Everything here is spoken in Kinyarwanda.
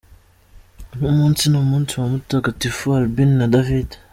Uyu munsi ni umunsi wa Mutagatifu Albin na David.